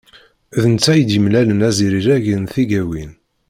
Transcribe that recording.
D netta i d-yemmalen azrireg n tigawin.